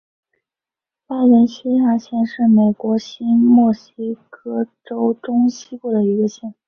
巴伦西亚县是美国新墨西哥州中西部的一个县。